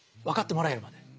分かってもらえるまで。